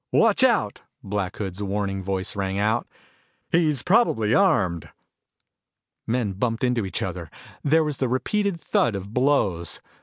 "Watch out!" Black Hood's warning voice rang out. "He is probably armed!" Men bumped into each other. There was the repeated thud of blows.